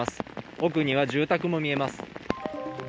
奥には住宅も見えます。